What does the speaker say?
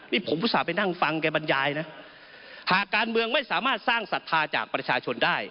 นี่ผมอุตส่าห์ไปนั่งฟังแกบรรยายนะหากการเมืองไม่สามารถสร้างศรัทธาจากประชาชนได้